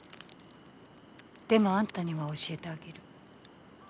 でもあんたには教えてあげる。